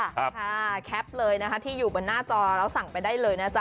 แคปเลยนะคะที่อยู่บนหน้าจอแล้วสั่งไปได้เลยนะจ๊